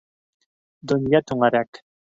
Донъя түңәрәк.